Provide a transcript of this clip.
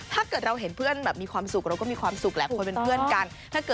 ถ้าเกิดเราเห็นเพื่อนมีความสุขเราก็มีความสุขมาก